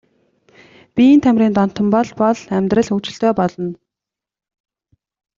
Биеийн тамирын донтон бол бол амьдрал хөгжилтэй болно.